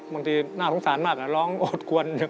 บางทีน่าสงสารมากร้องโอดกวน